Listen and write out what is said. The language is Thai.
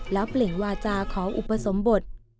แล้วเปล่งวาจาขออุปสมบท